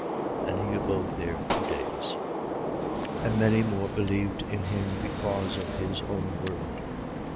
And he abode there two days. 4:41. And many more believed in him, because of his own word.